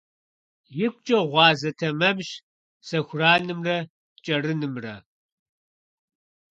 ИкъукӀэ гъуазэ тэмэмщ сэхуранымрэ кӀэрынымрэ.